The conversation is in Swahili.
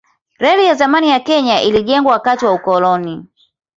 Reli ya zamani ya Kenya ilijengwa wakati wa ukoloni.